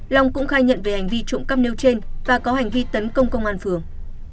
long cũng khai nhận về hành vi trộm cắp nêu trên và có hành vi tấn công công an phường